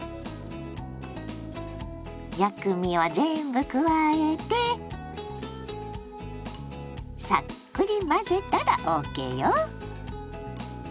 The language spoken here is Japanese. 薬味を全部加えてさっくり混ぜたらＯＫよ！